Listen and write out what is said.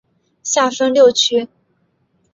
下分六区。